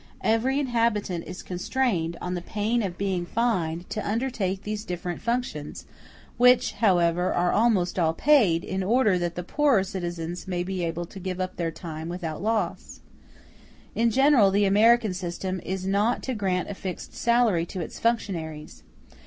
Every inhabitant is constrained, on the pain of being fined, to undertake these different functions; which, however, are almost all paid, in order that the poorer citizens may be able to give up their time without loss. In general the American system is not to grant a fixed salary to its functionaries.